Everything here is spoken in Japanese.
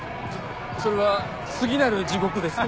それは次なる地獄ですか？